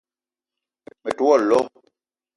Me te wo lo